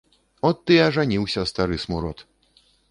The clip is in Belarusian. От ты і ажаніўся, стары смурод.